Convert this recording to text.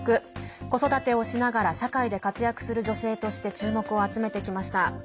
子育てをしながら社会で活躍する女性として注目を集めてきました。